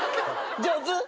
上手。